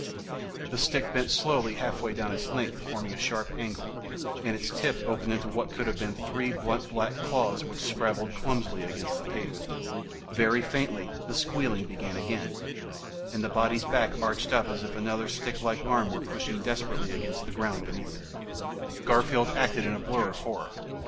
Then the stick bent slowly halfway down its length, forming a sharp angle, and its tip opened into what could have been three blunt, black claws which scrabbled clumsily against the pavement. Very faintly, the squealing began again, and the body's back arched up as if another sticklike arm were pushing desperately against the ground beneath it. Garfield acted in a blur of horror.